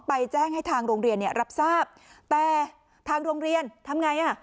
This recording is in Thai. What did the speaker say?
ไปแจ้งให้ทางโรงเรียนรับทราบแต่ทางโรงเรียนทำอย่างไร